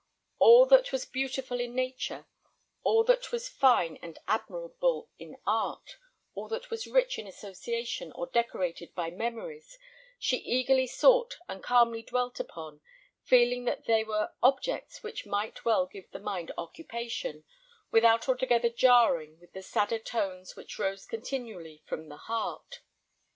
All that was beautiful in nature; all that was fine and admirable in art; all that was rich in association, or decorated by memories, she eagerly sought and calmly dwelt upon, feeling that they were objects which might well give the mind occupation, without altogether jarring with the sadder tones which rose continually from the heart.